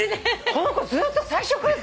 この子ずっと最初から。